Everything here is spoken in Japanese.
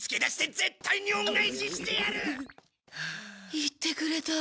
行ってくれた。